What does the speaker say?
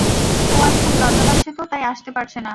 ও আজ খুব লজ্জা পাচ্ছে তো, তাই আসতে পারছে না।